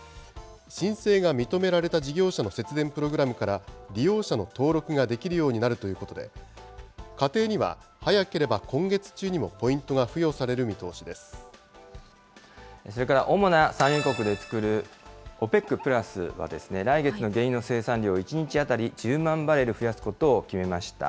申請が認められた事業者の節電プログラムから、利用者の登録ができるようになるということで、家庭には早ければ今月中にもポインそれから主な産油国で作る、ＯＰＥＣプラスは、来月の原油の生産量を１日当たり１０万バレル増やすことを決めました。